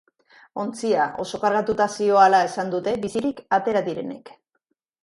Ontzia oso kargatuta zihoala esan dute bizirik atera direnek.